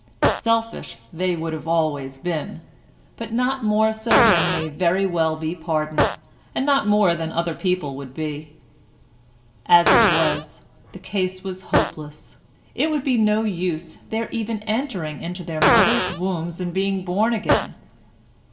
Selfish they would have always been, but not more so than may very well be pardoned, and not more than other people would be. As it was, the case was hopeless; it would be no use their even entering into their mothers' wombs and being born again.